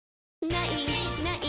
「ない！ない！